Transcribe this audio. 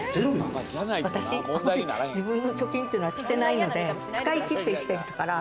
自分の貯金というのはしてないので、使い切って生きてきたから。